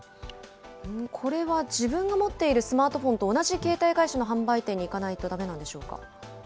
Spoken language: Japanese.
これは自分が持っているスマートフォンと同じ携帯会社の販売店に行かないとだめなんでしょうか？